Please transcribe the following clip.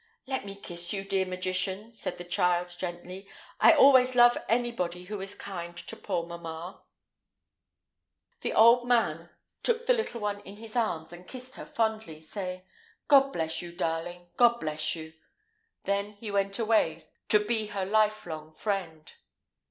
"Let me kiss you, dear magician," said the child, gently; "I always love anybody who is kind to poor mamma." The old man took the little one in his arms, and kissed her fondly, saying, "God bless you, darling; God bless you!" Then he went away, to be her life long friend.